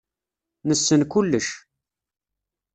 Nessen kullec.